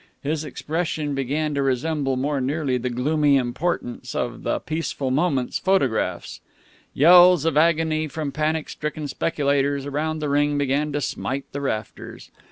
His expression began to resemble more nearly the gloomy importance of the Peaceful Moments photographs. Yells of agony from panic stricken speculators around the ring began to smite the rafters.